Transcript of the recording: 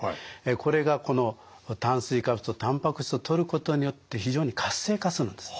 これがこの炭水化物とたんぱく質をとることによって非常に活性化するんです。